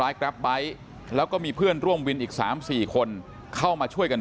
แกรปไบท์แล้วก็มีเพื่อนร่วมวินอีก๓๔คนเข้ามาช่วยกัน